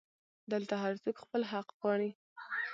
دلته هرڅوک خپل حق غواړي